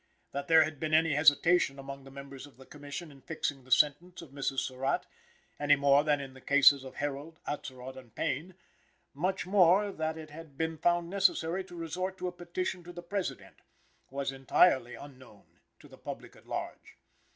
That there had been any hesitation among the members of the Commission in fixing the sentence of Mrs. Surratt any more than in the cases of Herold, Atzerodt and Payne much more that it had been found necessary to resort to a petition to the President, was entirely unknown to the public at large.